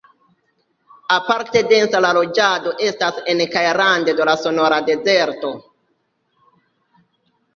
Aparte densa la loĝado estas en kaj rande de la Sonora-dezerto.